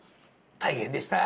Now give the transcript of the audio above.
大変でした。